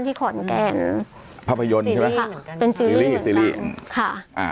ที่ขอนแก่นภาพยนตร์ใช่ไหมค่ะเป็นซีรีส์ซีรีส์ค่ะอ่า